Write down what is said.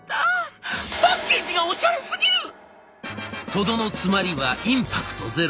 とどのつまりはインパクトゼロ。